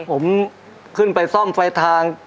ผมขึ้นไปซ่อมไฟทาง